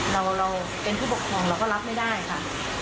เราเป็นผู้ปกครองเราก็รับไม่ได้ค่ะ